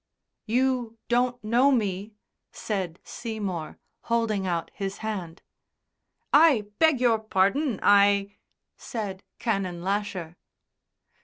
"You don't know me?" said Seymour, holding out his hand. "I beg your pardon, I " said Canon Lasher.